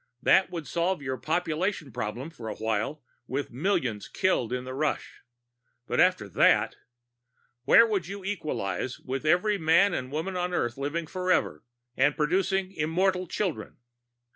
That would solve your population problem for, a while, with millions killed in the rush. But after that where would you equalize, with every man and woman on Earth living forever, and producing immortal children?"